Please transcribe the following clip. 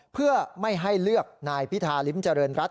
เพื่อไม่ให้เลือกนายพิธาริมเจริญรัฐ